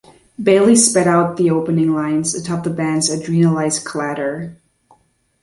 Bailey spat out the opening lines, atop the band's adrenalised clatter.